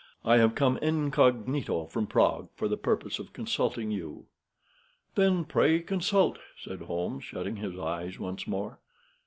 I have come incognito from Prague for the purpose of consulting you." "Then, pray consult," said Holmes, shutting his eyes once more.